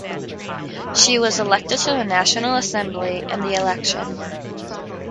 She was elected to the National Assembly in the election.